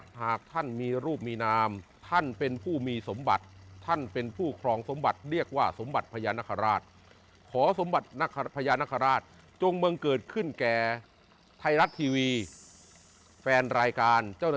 นับได้จุดทูปเทียนบูชาด้วยกันนะครับ